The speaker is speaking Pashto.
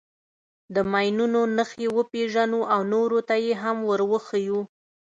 د ماینونو نښې وپېژنو او نورو ته یې هم ور وښیو.